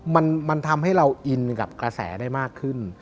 มันทำให้เราอินกับกระแสได้มากขึ้น